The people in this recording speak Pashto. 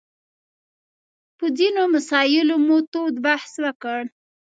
په ځینو مسایلو مو تود بحث وکړ.